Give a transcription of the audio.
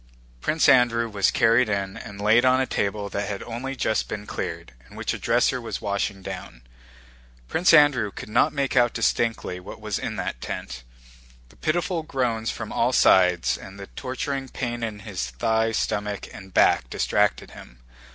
Prince Andrew was carried in and laid on a table that had only just been cleared and which a dresser was washing down. Prince Andrew could not make out distinctly what was in that tent. The pitiful groans from all sides and the torturing pain in his thigh, stomach, and back distracted him.